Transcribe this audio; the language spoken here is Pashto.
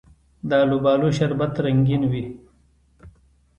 د الوبالو شربت رنګین وي.